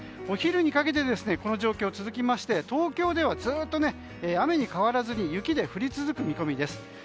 お昼にかけてこの状況が続きまして東京ではずっと雨に変わらずに雪で降り続ける見込みです。